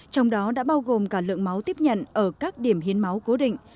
trong đó đã bao gồm cả lượng máu tiếp nhận ở các điểm hiến máu cố định